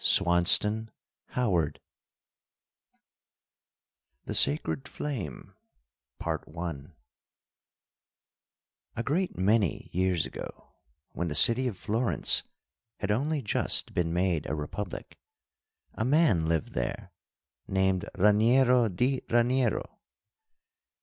[Illustration: The Sacred Flame] THE SACRED FLAME I A great many years ago, when the city of Florence had only just been made a republic, a man lived there named Raniero di Raniero.